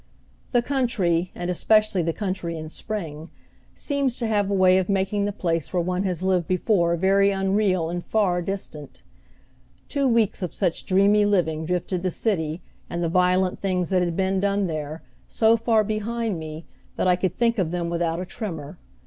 The country, and especially the country in spring, seems to have a way of making the place where one has lived before very unreal and far distant. Two weeks of such dreamy living drifted the city, and the violent things that had been done there, so far behind me that I could think of them without a tremor.